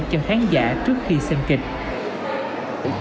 cho khán giả trước khi xem kịch